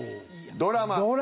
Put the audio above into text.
「ドラマ」。